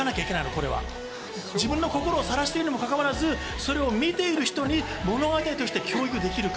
これは自分の心をさらしているにもかかわらず見ている人に物語として教育できるか。